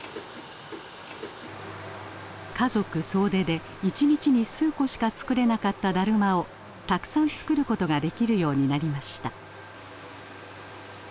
家族総出で一日に数個しか作れなかっただるまをたくさん作ることができるようになりました。